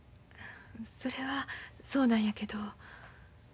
それはそうなんやけど。